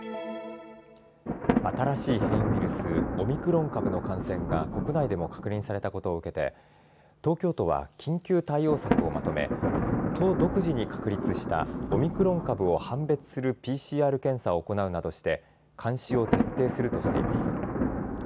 新しい変異ウイルス、オミクロン株の感染が国内でも確認されたことを受けて東京都は緊急対応策をまとめ都独自に確立したオミクロン株を判別するＰＣＲ検査を行うなどして監視を徹底するとしています。